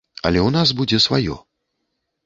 Але ў нас будзе сваё.